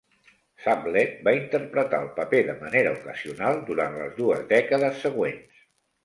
Sublett va interpretar el paper de manera ocasional durant les dues dècades següents.